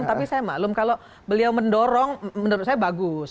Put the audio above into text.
tapi saya maklum kalau beliau mendorong menurut saya bagus